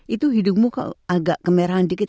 itu hidungmu kalau agak kemerahan dikit